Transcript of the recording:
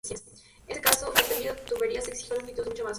En este caso, el tendido de tuberías exige longitudes mucho más cortas.